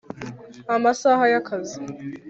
Amasaha Y Akazi